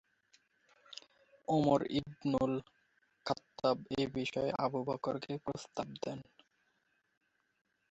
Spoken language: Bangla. উমর ইবনুল খাত্তাব এ বিষয়ে আবু বকরকে প্রস্তাব দেন।